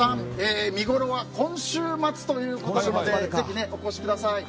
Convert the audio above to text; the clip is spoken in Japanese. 見ごろは今週末ということでぜひ、お越しください。